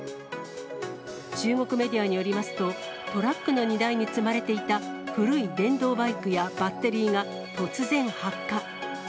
中国メディアによりますと、トラックの荷台に積まれていた古い電動バイクやバッテリーが突然発火。